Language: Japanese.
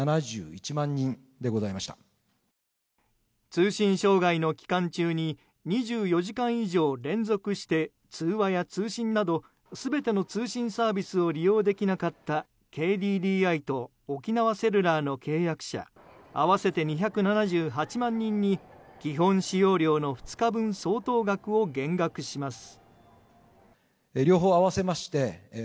通信障害の期間中に２４時間以上、連続して通話や通信など全ての通信サービスを利用できなかったＫＤＤＩと沖縄セルラーの契約者合わせて２７８万人に基本使用料の２日分相当額を減額します。